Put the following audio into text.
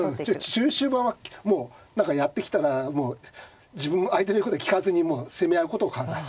中終盤はもう何かやってきたら自分も相手の言うこと聞かずに攻め合うことを考える。